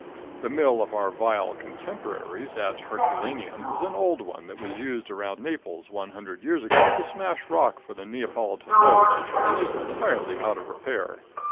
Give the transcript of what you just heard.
The mill of our vile contemporaries at Herculaneum is an old one that was used around Naples one hundred years ago to smash rock for the Neapolitan road, and is entirely out of repair.